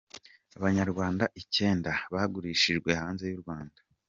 Abanyarwanda icyenda bagurishijwe hanze y’u Rwanda